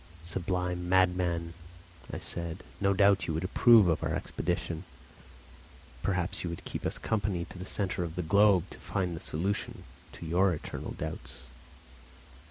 "Sublime madman!" I said, "no doubt you would approve of our expedition. Perhaps you would keep us company to the centre of the globe, to find the solution of your eternal doubts."